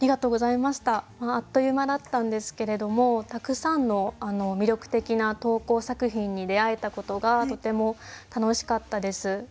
あっという間だったんですけれどもたくさんの魅力的な投稿作品に出会えたことがとても楽しかったです。